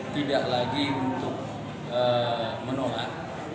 tidak lagi untuk menolak